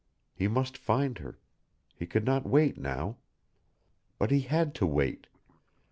He must find her he could not wait now. But he had to wait.